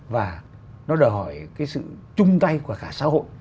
và nó đòi hỏi cái sự chung tay của cả xã hội